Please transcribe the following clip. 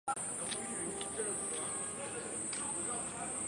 就读于大阪府立北野中学校。